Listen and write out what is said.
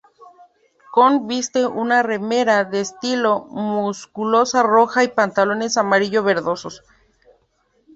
Kong viste una remera de estilo musculosa roja y pantalones amarillo verdosos.